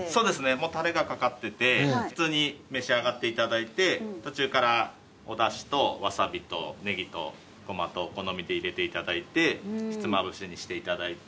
もうたれが掛かってて普通に召し上がっていただいて途中からおだしとワサビとネギとゴマとお好みで入れていただいてひつまぶしにしていただいて。